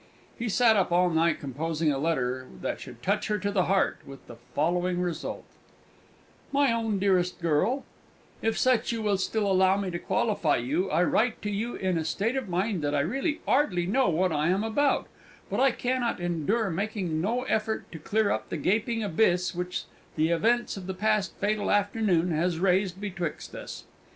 He sat up all night composing a letter that should touch her to the heart, with the following result: "MY OWN DEAREST GIRL, "If such you will still allow me to qualify you, I write to you in a state of mind that I really 'ardly know what I am about, but I cannot indure making no effort to clear up the gaping abiss which the events of the past fatal afternoon has raised betwixt us.